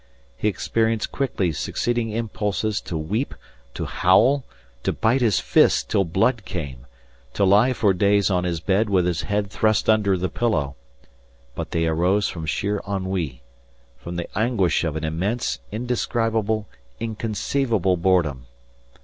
He experienced quickly succeeding impulses to weep, to howl, to bite his fists till blood came, to lie for days on his bed with his head thrust under the pillow; but they arose from sheer ennui, from the anguish of an immense, indescribable, inconceivable boredom.